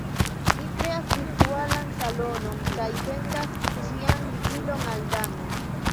Mi kreas virtualan salonon, kaj sendas ĝian ligilon al Dano.